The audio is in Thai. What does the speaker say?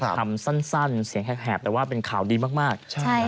ก็ตอบคำสั้นเสียงแหบแต่เป็นข่าวดีมาก